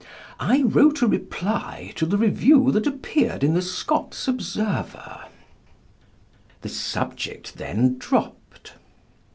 I wrote a reply to the review that appeared in the Scots Observer." The subject then dropped.